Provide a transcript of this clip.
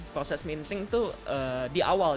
proses minting tuh di awal